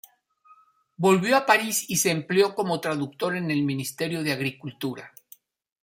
Volvió a París y se empleó como traductor en el Ministerio de Agricultura.